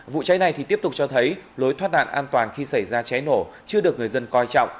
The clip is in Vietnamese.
vụ cháy này thì tiếp tục cho thấy lối thoát nạn an toàn khi xảy ra cháy nổ chưa được người dân coi trọng